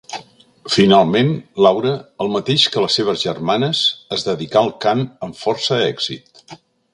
Finalment, Laura, el mateix que les seves germanes, es dedicà al cant amb força èxit.